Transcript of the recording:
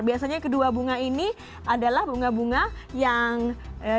biasanya kedua bunga ini adalah bunga bunga yang